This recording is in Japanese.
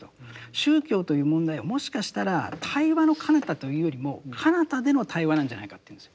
宗教という問題はもしかしたら対話のかなたというよりもかなたでの対話なんじゃないかって言うんですよ。